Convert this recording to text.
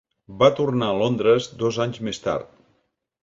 Va tornar a Londres dos anys més tard.